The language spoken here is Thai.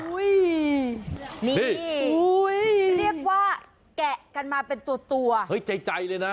นี่เรียกว่าแกะกันมาเป็นตัวตัวเฮ้ยใจเลยนะ